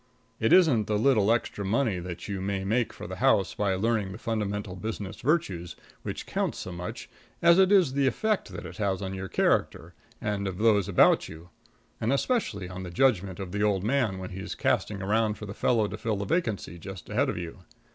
It isn't the little extra money that you may make for the house by learning the fundamental business virtues which counts so much as it is the effect that it has on your character and that of those about you, and especially on the judgment of the old man when he's casting around for the fellow to fill the vacancy just ahead of you.